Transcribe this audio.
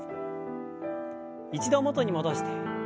一度元に戻して。